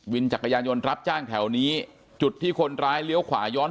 จักรยานยนต์รับจ้างแถวนี้จุดที่คนร้ายเลี้ยวขวาย้อน